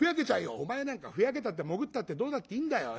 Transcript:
「お前なんかふやけたってもぐったってどうだっていいんだよ。